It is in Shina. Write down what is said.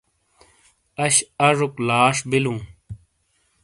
اش اژوک لاش بلوں۔